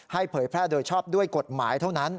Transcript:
เผยแพร่โดยชอบด้วยกฎหมายเท่านั้น